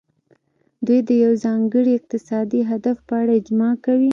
دوی د یو ځانګړي اقتصادي هدف په اړه اجماع کوي